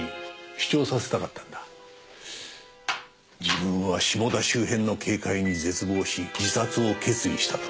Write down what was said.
自分は下田周辺の警戒に絶望し自殺を決意したとね。